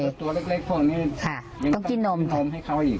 ตัวเล็กพวกนี้ต้องกินนมให้เขาอีก